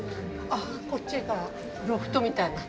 あっこっちがロフトみたいな？